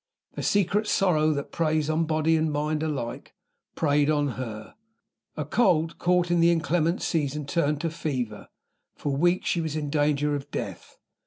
The secret sorrow that preys on body and mind alike preyed on her. A cold, caught at the inclement season, turned to fever. For weeks she was in danger of death.